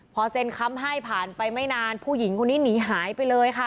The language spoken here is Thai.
พอเซ็นคำให้ผ่านไปไม่นานผู้หญิงคนนี้หนีหายไปเลยค่ะ